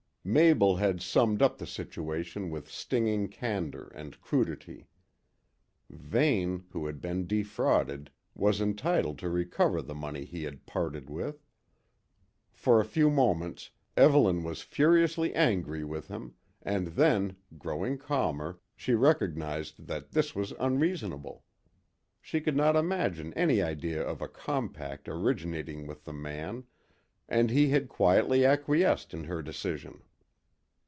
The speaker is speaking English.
Mabel had summed up the situation with stinging candour and crudity Vane, who had been defrauded, was entitled to recover the money he had parted with. For a few moments Evelyn was furiously angry with him, and then, growing calmer, she recognised that this was unreasonable. She could not imagine any idea of a compact originating with the man, and he had quietly acquiesced in her decision.